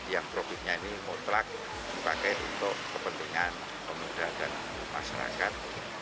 yang profitnya ini mutlak dipakai untuk kepentingan pemuda dan masyarakat